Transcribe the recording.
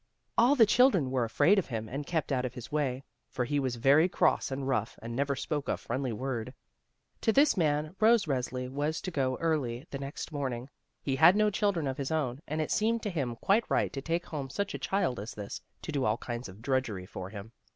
All the children were afraid of him and kept out of his way, for he was very cross and rough, and never spoke a friendly word. To this man Rose Resli was to go early the next morning. He had no children of his own, and it seemed to him quite right to take home such a child as this, to do all kinds of drudgery for him.